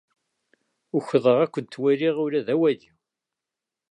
Ukḍeɣ ad kent-waliɣ ula d awali.